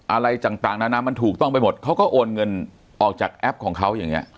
อะไรต่างนานามันถูกต้องไปหมดเขาก็โอนเงินออกจากแอปของเขาอย่างนี้